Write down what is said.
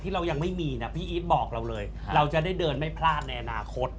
เรายังไม่มีนะพี่อีทบอกเราเลยเราจะได้เดินไม่พลาดในอนาคต